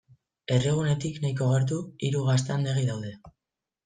Herrigunetik nahiko gertu, hiru gaztandegi daude.